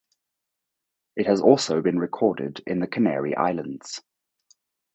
It has also been recorded in the Canary Islands.